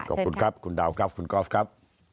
ขอบคุณครับคุณดาวครับคุณกอล์ฟครับ